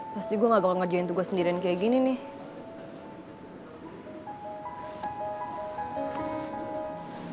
pasti gue gak bakal ngerjain tugas sendirian kayak gini nih